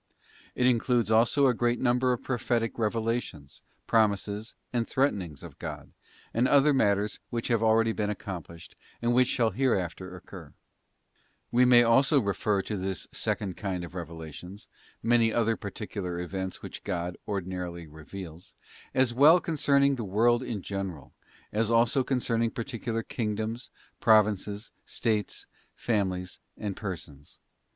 It includes also a great number of prophetic revelations, promises, and threatenings of God, and other matters which have already been accomplished, and which shall hereafter ————" 2 ep a a ly IN = aah ects PARTICULAR REVELATIONS. 185 occur. We may also refer to this second kind of revelations, many other particular events which God ordinarily reveals, as well concerning the world in general, as also concerning particular Kingdoms, Provinces, States, families, and persons.